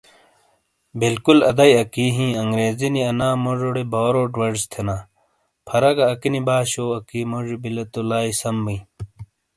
بالکل اَدئی اکی ہیں۔ انگریزی نی انا موجو ڑے "borrowed words" تھینا۔ پھَرا گہ اکینی باشو اکی موجی بِیلے تو لائی سم بِیں۔